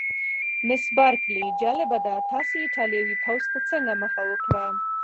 مس بارکلي: جالبه ده، تاسي ایټالوي پوځ ته څنګه مخه وکړه؟